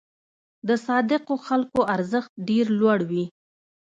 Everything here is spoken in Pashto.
د صادقو خلکو ارزښت ډېر لوړ وي.